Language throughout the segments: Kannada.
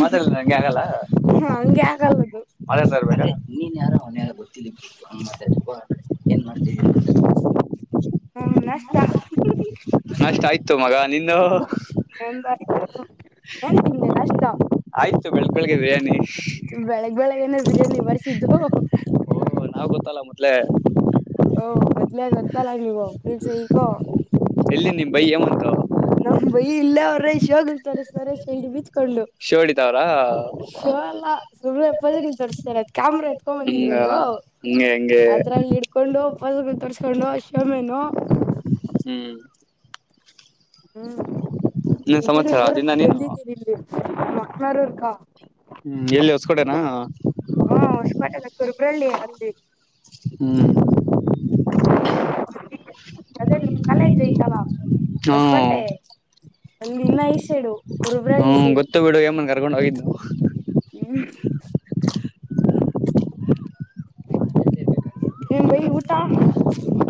ಮಾತಡಲ್ಲ ನಂಗೆ ಆಗಲ್ಲ, ಹ ಹಂಗೆ ನಂಗೆ ಆಗಲ್ಲದು ಆಗಲ್ಲ. ನೀನ್ಯಾರೋ ಅವನ್ಯಾರು ಗೊತ್ತಿಲ್ಲ ಹಂಗ್ ಮಾತಾಡಿ ಫೋನ್ ಅಲ್ಲಿ. ಏನ್ ಮಾಡ್ತಿದಿರಾ, ಹ್ಮ್ ನ ಅಷ್ಟಯ್ತು ಮಗ ನಿನ್ನು ನಂದ್ ಆಯ್ತು [unintelligible] ಏನ್ ತಿಂದೆ ನಾಷ್ಟಾ. ಆಯ್ತು ಬೆಳಗ್ ಬೆಳಗ್ಗೆ ಬಿರಿಯಾನಿ ಬೆಳಗ್ ಬೆಳಗೆನೆ ಬಿರಿಯಾನಿ ಬಾರ್ಸಿದ್ದು. ಓ ನಾವ್ ಗೊತ್ತಲ್ಲ ಮೊದ್ಲೇ. ಓ ಮೊದ್ಲೇ ಗೊತ್ತಲ್ಲ ನೀವು ಫುಲ್ ಸೈಕೋ. ಎಲ್ಲಿ ನಿಮ್ ಬೈ ಯಂ ನಮ್ ಬೈ ಇಲ್ಲೇ ಅವ್ರೆ ಶೋಗಲ್ ತೋರ್ಸ್ತಾವ್ರೆ ಶರ್ಟ್ ಬಿಚ್ಕೊಂಡು. ಶೋ ಹಿಡಿತಾವ್ರ ಶೋ ಅಲ್ಲ [unintelligible] ತೋರ್ಸತಿರದು ಕ್ಯಾಮ್ರಾ ಎತ್ಕೊ ಬಂದಿದ್ರ ಹಂಗ ಒಂದು. ಹಂಗೆ ಹಂಗೆ ಅದ್ರಲ್ಲಿ ಇಡ್ಕೊಂಡು ಪೋಸ್ ಗಲ್ ತೊರ್ಸ್ಕೊಂಡು ಶೋ ಮೆನ್ನು. ಹ್ಮ್. ಹ್ಮ್ ಇನ್ನೇನ್ ಇದೀರಿ ಸಮಾಚಾರ ಊರಿಗ್ ಅದಿಂದ ನೀನು ಬಂದಿದ್ದೀರಿ ಇಲ್ಲಿ ನಮ್ ಅಪ್ಪನರ್ ಊರ್ಗ. ಹ್ಮ್ ಎಲ್ಲಿ ಹೊಸ್ಕೋಟೆನಾ. ಹಾ ಹೊಸ್ಕೋಟೆ ಅಲ್ಲ ಕುರ್ಬ್ರಳ್ಳಿ ಅಲ್ಲೀ. ಹ್ಮ್. ಅದೇ ನಿಮ್ ಕಾಲೇಜ್ ಆಯ್ತಲ್ಲ ಹೊಸ್ಕೋಟೆ. ಹ್ಮ್ ಅಲ್ಲಿ ಇನ್ನ ಈ ಸೈಡು ಕುರುಬ್ರಳ್ಳಿ ಹ್ಮ್ ಸೈಡು. ಗೊತ್ತು ಬಿಡು ಏಮನ್ ಕರ್ಕೊಂಡ್ ಹೋಗಿನ್ನು ಹ್ಮ್. ಏನ್ ಬೈ ಊಟ.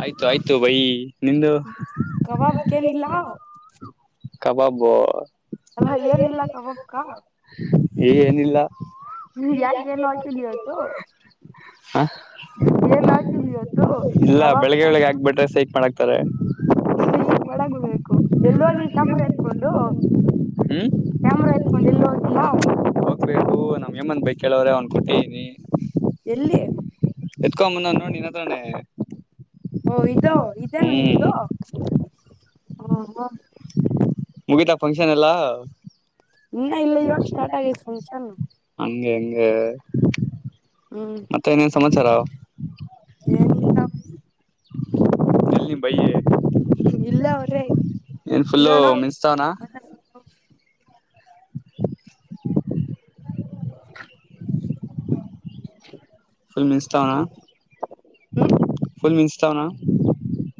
ಆಯ್ತು ಆಯ್ತು ಬೈ ನಿಂದು. ಹ [inaudible] ಕಬಾಬ್ಕ್ ಏನಿಲ್ಲ. ಕಬಾಬು. ಅಲ್ಲ ಏನ್ ಇಲ್ಲ ಕಬಾಬ್ಕಾ. ಏನಿಲ್ಲ ನೀವ್ ಯಾಕ ಯಾಕ್ [unintelligible] ಏನ್ ಹಾಕಿಲ್ ಇವತ್ತು. ಹ ಏನ್ ಹಾಕಿಲ್ ಇವತ್ತು ಇಲ್ಲ ಕಬಾಬ್ ಬೆಳಿಗ್ಗೆ ಒಳಗ್ ಆಗ್ಬಿಟ್ರೆ ಸೈಕ್ ಮಾಡ ಕರೆ. ರೀ ನೋಡಕ್ ಬರ್ಬೇಕು ಎಲ್ ಹೋದ್ರಿ ಕ್ಯಾಮೆರಾ ಎತ್ಕೊಂಡು. ಹ್ಮ್. ಕ್ಯಾಮೆರಾ ಎತ್ಕೊಂಡು ಎಲ್ಲೂ ಹೋಗಿಲ್ಲ. ಹೋಗ್ಬೇಕು ನಮ್ ಹೇಮಂತ್ ಬೈ ಕೇಳವ್ರೆ ಅವ್ನ್ ಕೊಟ್ಟಿದಿನಿ ಎಲ್ಲಿ ಎತ್ಕೊಂನ್ ನೆನ್ನೆ ತಾನೇ ಹೋಗಿದೋ ಹ್ಮ್. ಹಾ ಹಾ. ಮುಗಿತಾ ಪಂಕ್ಷನ್ ಎಲ್ಲಾ. ಇನ್ನ ಇಲ್ಲ ಇವಾಗ್ ಸ್ಟಾರ್ಟ್ ಆಗ್ಯಾತೆ ಫಂಕ್ಷನ್ನು. ಹಂಗ ಹೆಂಗ ಹ್ಮ್ ಮತ್ತೆ ಏನೇನು ಸಮಾಚಾರ ಏನಿಲ್ಲ ಎ ಬೈ ಇಲ್ಲ ಅವ್ರೇ ಏನ್ ಫುಲ್ಲು ನೋಡ ಮಂಸ್ತಾವನಾ [inaudible] ಮಸ್ತಾ ಲ್ ಹ್ಮ್ ಮಂಚ್ತಾಾವಣ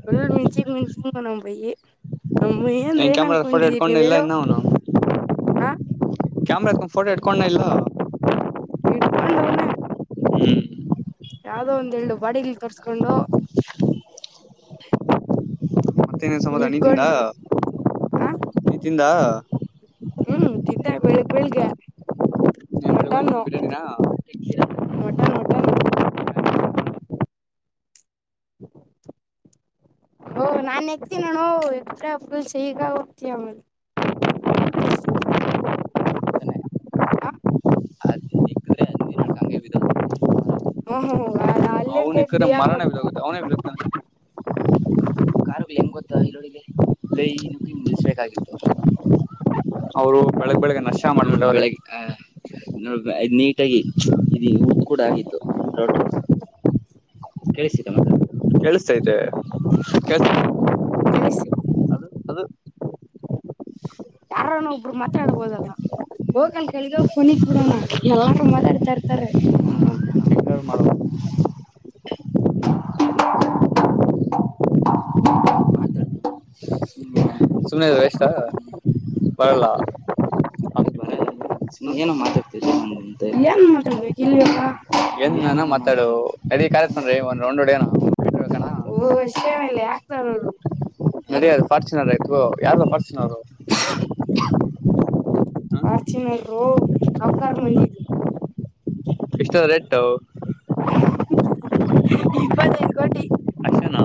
ಒಲ್ ಮಿಂಚಿ ಮಿಂಚಿಂಗ ನ ಬೈಿ ನಮ್ಮಯ ಅಂದ್ರೆ ಏನ್ ಫೋಟೋ ಅನ್ಕೊಂಡಿದೀರಿ ಇಡ್ಕೊಂಡ ನೀವ್ ಹೇಳೋ ಹ ಕ್ಯಾಮರಾ ಫೋಟೋ ಇಟ್ಕೊಂಡ ಇಲ್ಲಾ ಇಡ್ಕೊಂಡವ್ನ ಹ್ಮ್ ಯಾವ್ದೋ ಒಂದ್ ಎಳ್ಳು ಬಡಿಲ್ ತರ್ಸ್ಕೊಂಡು ಸನ ಸಮಾದ ನಿತಿಂದ ಇಡ್ಕೊಂಡು ಆ ನಿತಿಂದ ಹ್ಮ್ ತಿಂದೆ ಬೆಳಿಗ್ ಬೆಳಿಗ್ಗೆ ಮಟನ್ನು ಬಿರಿಯಾನಿನ ಮಟನ್ ಮಟನ್ [inaudible] ಓ ನಾನ್ ಎಕ್ತನ ನೋಣೋ ಎ್ರ ಫುಲ್ಸ್ ಈಗ ಹೋಗ್ತಯ ಹ ಹ ಅವ ಮರ ಅವನತ ಹ ಕಾರ ಹೆಂಗ್ ಗೊತ್ತಾ ಈರೊಳಗೆ ಲೈ ಮುಿಸ್ಬೇಕಾಗಿತ್ತು ಅವರು ಬೆಳಗ್ ಬೆಳಗ್ ನಷ್ಟ ಮಾಡಬಿಟ್ಟಗ್ ನದು್ ನೀಟಾಗಿಿ ಇ ಉದ ಕೂಡ ಆಗಿತ್ತು ರೋಟರು ಕಿಸ ಮ ಕೇಳಿಸ್ತೈತೆ ಕಳಿಸಿ ಅ ಯಾರನ ಒಬ್ರು ಮಾತಾಡ್ಬೋದಲ್ಲ ಹೋಗಲ್ ಹಕಲ್ ಕೆಳಗ ಕಳಗ ನಿ ಫೋನಿಗ್ ಕೊಡೋಣ ಬಿಡೋಣ ಎಲ್ಲು ಎಲ್ಲಾರು ಮಾತಾಡ್ತಾ ಇರ್ತಾರೆ ಮಾಡ ಹ್ಮ ಸುಮ್ಮ್ನೆ ಬೆಷ್ಟಾ ಬರಲ್ಲ ಆತ್ ಬರಲ್ಲಲ್ಲ ಏನ ಮಾತಾಡ್ತ ಏನ್ ಮಾತಾಡ್ಬೇಕು ಇಲ್ಲಿವಾಗ ಏನ್ ನಾನ ಮಾತಾಡ ಅಡಿ ಕಾಲತ್ನ್ೀ ಒನ್ೊಂಡಡನ ಓ ಅಷ್ಟೇ ಮೇಲೆ ಯಾಕ್ತಾರವ್ರು ನಡದು ಫಾರ್ಚುನರ್ ಆಯ್ತು ಯಾರ್ದ ಫಾರ್ಚುನರ್ ಚ ಫಾರ್ಚುನರ್ ಸಾವ್ಕಾರ್ ನ ಮಂದಿ ಎಷ್ಟ ಎಟ್ಟ ಇಪ್ಪತ್ತೈದು ಕೋಟಿ ಅಷ್ಟನಾ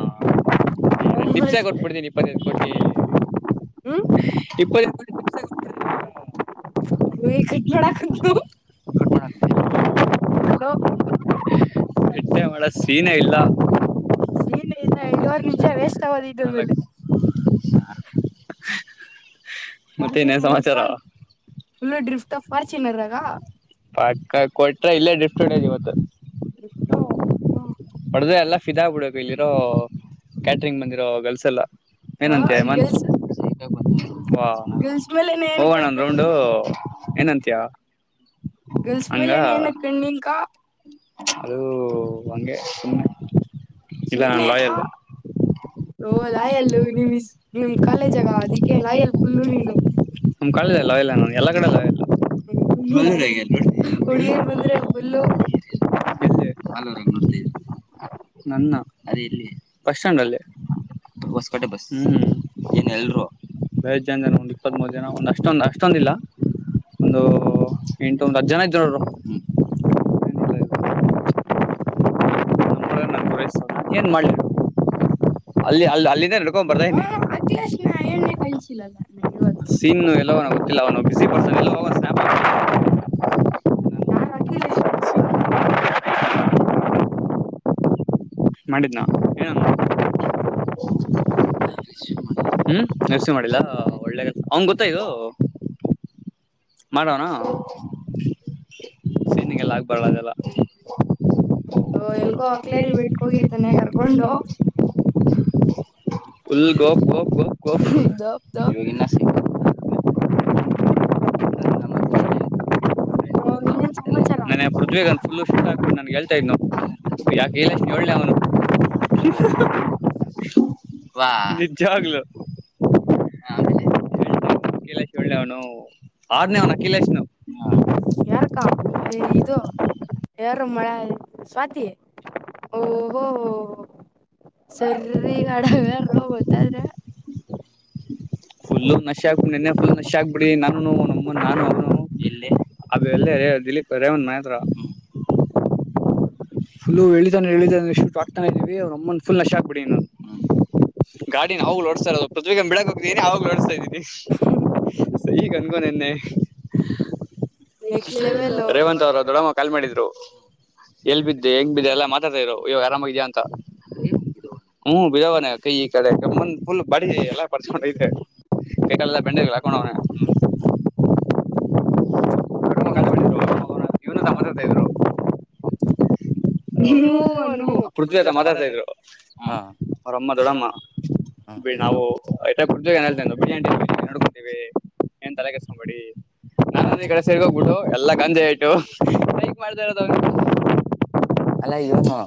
ಹಿಪ್ಸೆ ಕೊಟ್ಬಿಡ್ತೀನಿ ಪ್ಪ ಕಟ್ಟಿ ಹ್ಮ ಇಪ್ಪದ ಕಟ್ ಮಾಡಕ್ ಹ ಹಲೋ ಟ್ಟ ಮಾಡ ಸೀನೇ ಇಲ್ಲ ಎರಡುವವರೆ ನಿಮಿಷ ವೇಸ್ಟ್ ಆಗೋದು ಇದ್ರ ಮೇಲೆ ಹ ಮತ್ತೆ ನೇನ್ ಸಮಾಚಾರ ಎತ್ಕೊಂಡ್ ಫುಲ್ ಡ್ರಿಫ್ಟ್ ್ಟ ಆಫ್ ಫಾರ್ಚುನರ್ಗ ಪ ಕೊಟ್ರ ಇಲ್ಲೇ ಡ್ರಫ್ಟ್ ಇವತ್ತು ಇಷ್ಟ ಹೊಡದ ಎಲ್ಲ ಫಿದಾ ಬಿಡಕ ಇಲ್ಲಿರೋ ಕ್ಯಾಟ್ರಂಗ್ ಬಂದಿರೋ ಗಲ್ಸ ಎಲ್ಲ ಏನಂತ ಮ ಗರ್ಲ್ಸ್ ವಾ ಗರ್ಲ್ಸ್ ಮೇಲೆ ಏನ ಹೋಗೋಣಂದ ಕೇಳ್ಕೊಂಡ ರೌಂಡು ಏನಂತಯ ಗರ್ಲ್ಸ್ ಮೇಲೆ ಏನ ಕಣ್ಣಿನ್ಕ [unintelligible] ಅದು ಅಂಗೆ ಸುಮ್ಮನೆ ಸುನೆ ಓ ಲಾಯಲ್ಲ ನಿ ನಿಮ್ ಕಾಲೇಜ್ಗ ಅದಕ್ಕೆ ಲಾಯಲ್ ಫುಲ್ಲುರಿನು ನಮ್ ಕಳದಲ್ಲ ಎಲ್ಲ ನ ಎಲ್ಲಾ ಕಡೆಲ್ಲ ಇಲ್ಲ ಹುಡುಗಿಯರ್ ಬಂದ್ರೆ ಫುಲ್ಲು ಮಲೂರ ನೋಡ್ತಿ [inaudible] ನನ್ನ ಅದ ಇಲ್ಲಿ ಬಸ್ ಸ್ಟಾಂಡ್ ಅಲ್ಲೇ ಬಸ್ ಕಟ್ಟೆ ಬಸ್ ಹ್ಮ್ ಏನ್ ಯಲ್ಲರು ಐದು ಜನ ಒಂದು ಇಪ್ಪತ್ತಮುರು ಜನ ಒಂದು ಅಷ್ಟೊಂದು ಅಷ್ಟೊಂದಿಲ್ಲ. ಒಂದು ಎಂಟು ಒಂದ್ ಹತ್ತ ಜನ ಇದರು ಅವರು ನಮ್ಮೊಳ ನಾನ್ ಗುರಸ್ತಣ ಏನ್ ಮಾಡಲ್ಲಿ ಅಲ್ಲಿ ಅಲ್ಲಿ ಅಲ್ಲಿಂದೇ ಹಡ್ಕೊಂಡ್ ಬರ್ದ ಹ ಇದನಿ ಅಖಿಲೇಶ್ ನ ಎಣ್ಣೆ ಕಿಲ್ಲ ಕಾಣಿಸಿಲ್ಲಲ್ಲ ಇವತ್ತು ಎಲ್ಲೊ [inaudible] ಇಲ್ಲ ಅವನು ಬಿಸಿ ಪರ್ಸನ ಎಲ್ಲೂ ಸ್ಪ್ ಆಗವನೆ ಯಾರು ಅಖಿಲೇಶ್ ಮಾಡಂಡಿದ್ದ್ನ ಏನ [inaudible] ಹ್ಮ್ ನಿಸಿ ಮಾಡಿಲ್ಲಾ ಒಳ್ಳೆ ಅವಂಗ ಗೊತ್ತಾ ಇದು ಮಾಡಡೋನ ಸನಿಗೆಲ್ಲ ಆಗ್ಬಾರಳದಲ್ಲ [inaudible] ಎಲ್ಗೋ ಹಕ್ಲೇರಿ ಬಿಟ್ಕ ಹೋಗಿರ್ತಾನೆ ಕರ್ಕೊಂಡು ಉಲ್ ಗಪ್ ಗಪ್ ಗಪ್ ಕ ದಪ್ ಸಿ ದಪ್ ಅವ [unintelligible] ನ ಸಿ ಹೌ ನಾನೇ ಪೃಥ್ವೇಗ ಫುಲ ಶಫ್ಟ್ ಆಗ್ಬಟ್ಟು ನನ್ ಹೇಳ್ತಾ ಇದನು ಯಾಕೇ ಎ.... ಹೇಳೆ ಅವನು ವಾ ನಿಜವಾಗಲ ಕಿಲೇಶ್ ಒಳ್ಳೆವನು ಆರ್ನೇ ಅಕಿಲೇಶ್ನು ಯಾರಕ್ಕಾ ಇದು.. ಯಾರಮ್ಮ ಸ್ವಾತಿ ಓಹಗೂ....... ಸರಿ ಗಾಡಾಗ ಗೂ ಗೊತ್ತಾದ್ರ.... ಫುಲ್ಲು ನಶ ಆಕ್ಬಿ ನೆನ್ನೆ ಫುಲ್ ನಶ ಆಾಕ್ಬಿಡಿ ನಾನು ನಮ್ಮ ನಾನು ಅವನು ಇಲ್ಲಿ ಅದು ಎಲ್ಲ ದಿಲಿಪ್ ರೇವಣ ಮಾತ್ರ ಫುಲ್ಲಳಾನ ಶೂ ಹ ಆಕ್ತಾನ ಇದೀವಿ ಅವಮ್ಮ ಫುಲ್ ನ ಆಗ್ಬಡಿ [inaudible] ಗಾಡಿ ನಾವು ನೋಡ್ತಾ ಇರೋ ಪೃತಿವಿಗ ಬ ಬಿಡಕ್ಗಿದ್ದೀನಿ ಅವಗಾ ನೋಡ್ಸ್ತಾ ಇದೀವಿ ಸಹ ಕನ್ಗೊನ ಎ [unintelligible] ನೆಕ್ಸ್ಟ್ ಲೆವೆಲ್ ರೇವಂತ್ ಅವರು ದೊಡಮ್ಮ ಕಾಲ್ ಮಾಡಿದರು ಎಲ್ ಬಿದ್ದೆ ಹೆಂಗ್ ಬಿದ್ದೆ ಎಲ್ಲಾ ಮಾತಾಡತಿದರು ಇವಾಗ ಆರಾಮಾಗಿದ್ಯಾ ಅಂತ ಹ್ಮ್ ಬಿದವಣ ಕೈ ಕಾಲು ಈ ಕಡೆಂದ್ ಫುಲ್ ಬಾಡಿ ಎಲ್ಲ ಪರಿಚಕುಂಡೇತೆ ಕಟಲ್ಲ ಬೆಂಡೆಗಳ ಹಾಕೊಂಡವನ [inaudible] ತಾ ಕ ಮಾಡ ಇ ಸಮತೆ [inaudible] ಹ್ಮ್ ಅನ್ನು ಪೃಥ್ವಿ ಆತ ಮಾತಾಡ್ತಾ ಇದ್ರು ಹ್ಮ್ ಅವ್ರಮ್ಮ ದೊಡ್ಡಮ್ಮ ಬಿ ನಾವು ಕು ಬಿ ನೋಡ್ಕೊೀವಿ [inaudible] ಏನ್ ತಲೆ ಕಡಿಸಗೂಬೇಡಿ.. ಹಾ ಸರ್ಗ ಹೋಗ್ಬಿಡು ಎಲ್ಲಾ ಗಂಜೆ ಇಟ್ಟು ಬೈಕ್ ಮಾಡ್ತಾ ಇರೋದ ಅವ್ರರು ಅಲ್ಲಾ ವನು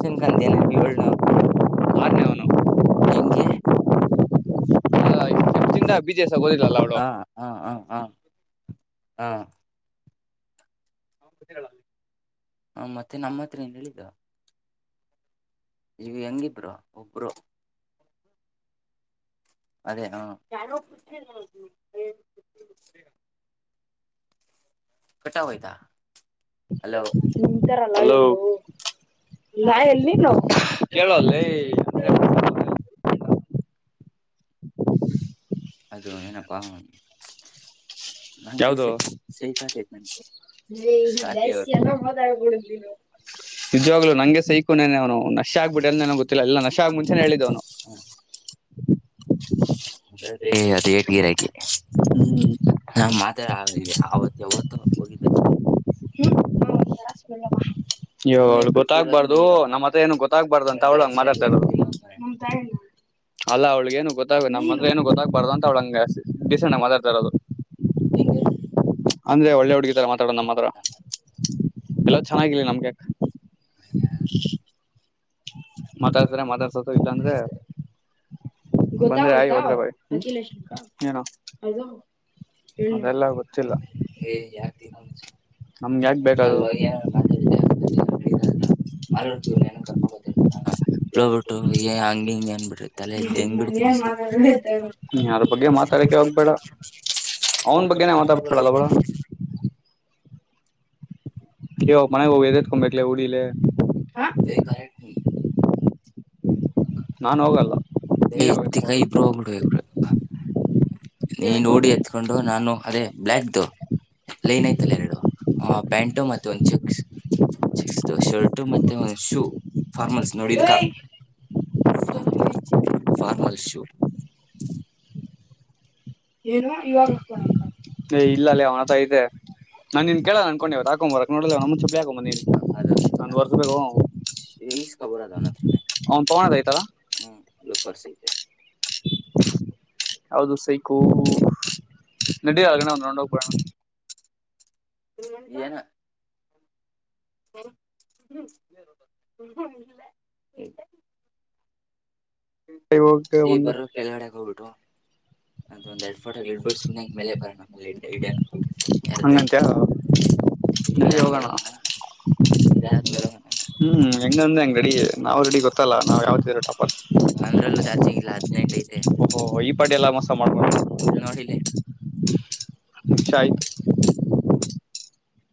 ಸಿಂಕಂತ ನ ಹೇಳ ಆರ್ನೇ ಅವನು ಹೆಂಗೆ ಹ ಚನ್ನ ಬಿಜಸಗೋದಿಲ್ಲಲ್ಲ ಅವಳ ಹಾ ಹಾ ಹಾ ಹಾ ಹಾ ಮತ್ತೆ ನಮ್ಮ ಹತ್ರಏ ಹೇಳಿದ್ದ ಈಗ ಹೆಂಗಿದ್ರು ಒಬ್ರು ಅದೇ ಹಾ ಕಟಾವಯದ ಲ ಚಂತರ ನ ಎಲ್ಲಿ ನ ಕೇಳಲ್ಲ [unintelligible] ನಪ್ಪ ಯಾವದು ನಿಜವಾಗ್ಲು ನಂಗೆ ಸಹಕು ಅವನು ನಶೆ ಆಗ್ಬಿಟ್ಟ ಎಲ್ಲ ನನ ಗೊ ಗ ಇಲ್ಲ ನಶ ಆಗ ಮುಂಚೆಾನ ಹೇಳಿದ್ದವನು ದೇ ಅದಟ್ ಗಿರಾಗಿ ನ ಮಾತ ಆ ಆವತ್ತ ಹೊತ್ತು ಹೋಗಿದ್ದ ಸರ್ ಹ್ಮ ಹಷ್ಟ ಇಯ್ಯಳು ಗೊತ್ತಾಗ್ಬಾರ್ದು ನಮ್ಮ್ತ್ತ ಏನು ಗೊತ್ತಾಗ್ಬಾರ್ದು ಅಂತ ಅವಳಂಗ ಮತತ ಅಲ್ಲ ಅವ್ಳಗ ಏ ಗೊತ್ತ್ ನಮ್ಮಂದತ್ರ ಏನು ಗೊತ್ತಾಗಬಾರು ಅಂತ ಅವಳ ಹಗೆಸ್ ಡಿಸಸೆಟ್ಗತತಿತಾರದು ಎಂಗಲ್ಲ ಒಳ್ಳೆ ಹುಡುಗಿ ತರ ಮಾತಾಡೋದು ನಮ್ಮ ಹತ್ರ ಎಲ್ಲ ಚೆನ್ನಾಗಿಲಿ ನಮ್ಗೆ ಮಾತಾಡ್ತಾರೆ ಮಾತಾಡ್ಸತ ಇಲ್ಲಾ ಅಂದ್ರೆ [unintelligible] ದೆಲ್ಲ ಗೊತ್ತಿಲ್ಲ ಆತಿ ಕಂ ನಮ್ಗೆ ಯಾಕ ಬೇಕ [unintelligible] [unintelligible] ಯಾರ ಬಗ್ಗೆ ಮಾತಾಡಕ್ಕೆೆ ಹೋಗ್ಬೇಡ ಅವನ್ ಬಗ್ಗೆನೇ ಮಾತಾಡ್ಬೇಡಲ್ಲ ಬೇಡ ಯ ಮನೆ ಹೊಗದೆ ಕಬಟ್ಲೆ ಉಡಿಲ್ಲ ನೀನೇ ಹೋಗು ಕ ಇಬ್ರುೂ ಹೋಗಬಡುಬ ನೀ ನೋಡಿ ಆತ್ ಕೊಂಡು ನಾನು ಅದೇ ಬ್ಲಯಾಕ್ದು ಲೈನ್ ಯ್ತಲ್ಲ ಎರಡು ಪ್ಯಾಂಟು ಮತ್ತೆ ಒಂದು್ ಚೆಕ್ಸ್ ಶರ್ಟ್ ಮತ್ತೆ ಒಂದು ಶೂ ಫಾರ್ಮಲ್ಸ್ ನೋಡಿದ್ ಫಾರ್ಮಲ್ ಶು ಏನು ಇವಾಗ ಏ ಇಲ್ಲಲ್ಲಿ ಅವನತ ತೆ ನಾನ್ ನಿನ್ ಕೇಳ ಹಾಕೋಡವ ಹಕ್ಂಬರಕ್ ನೋಡ ಚಪಿಾಕೊಂಬ ನ ಒ್ ವರ್ಸ ಬ ಈಸ್ಖಬರ್ ಅದ ಅವನ ಹತ್ರನ ತಗೋಣದ ಐತಲ್ಲ ಹ್ಮ್ಕ್ರ್ಸತೆ ಯಾವದು ಸೈಕು ನಡೀ ಆಗಣ್ ನೋಡೋಗ್ಬಡೋಣ ಏನ ಹ್ಮ್ಮ [unintelligible] ಹೋಗ್ತೇ ಒಂದು ಹಂಗಂತ್ಯಾ ಇದಾದ್ಮೇಲೆ ಹೋಗಣ. ಹ್ಮ್ ಹೆಂಗಂದ್ ಹಂಗ್ ರೆಡಿ ನಾವ್ ರೆಡಿ ಗೊತ್ತಲ್ಲ ನಾವ್ ಯಾವತ್ತದ್ರು ಟಾಪರ್. ನಂದ್ರಲ್ಲೂ ಚಾರ್ಜಿಂಗ್ ಇಲ್ಲ ಹದ್ನೆಂಟ್ ಐತೆ. ಓಹೋ ಈ [unintelligible] ನೋಡಿಲ್ಲೆ ಚ ಆಯ್ತ್